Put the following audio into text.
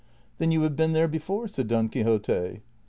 " Then you have been there ]:)ef ore ?" said Don Quixote.